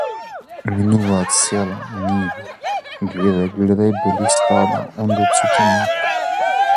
Минуваат села, ниви, гледај, гледај бели стада, онде цути мак!